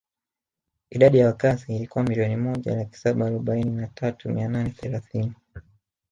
Idadi ya wakazi ilikuwa milioni moja laki saba arobaini na tatu mia nane thelathini